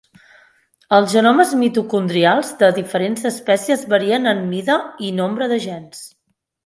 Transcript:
Els genomes mitocondrials de diferents espècies varien en mida i nombre de gens.